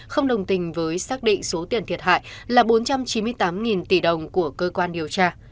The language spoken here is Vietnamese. không đồng tình với xác định số tiền thiệt hại là bốn trăm chín mươi tám tỷ đồng của cơ quan điều tra